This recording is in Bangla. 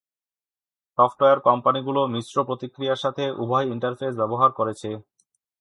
সফটওয়্যার কোম্পানিগুলো মিশ্র প্রতিক্রিয়ার সাথে উভয় ইন্টারফেস ব্যবহার করেছে।